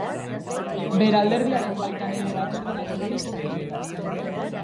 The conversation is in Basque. Bere alderdiaren baitan ere Batzorde Nazionaleko kide da.